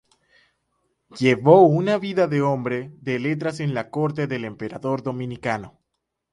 Llevó una vida de hombre de letras en la corte del emperador Domiciano.